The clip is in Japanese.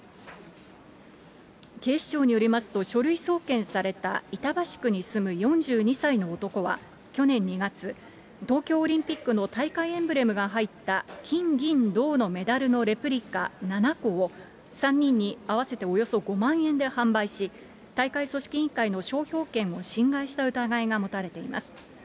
警視庁によりますと書類送検された板橋区に住む４２歳の男は、去年２月、東京オリンピックの大会エンブレムが入った、金銀銅のメダルのレプリカ７個を、３人に合わせておよそ５万円で販売し、大会組織委員会の商標権を侵害した疑いが持たれています。